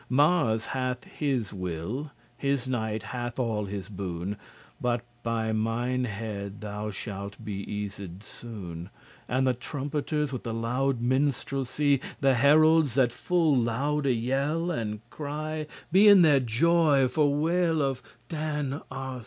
Mars hath his will, his knight hath all his boon, And by mine head thou shalt be eased soon." The trumpeters with the loud minstrelsy, The heralds, that full loude yell and cry, Be in their joy for weal of Dan* Arcite.